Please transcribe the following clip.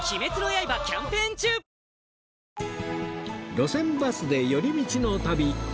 『路線バスで寄り道の旅』